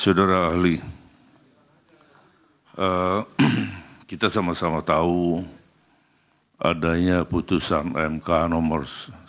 saudara ahli kita sama sama tahu adanya putusan mk nomor satu